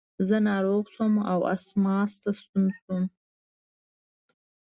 زه ناروغ شوم او اسماس ته ستون شوم.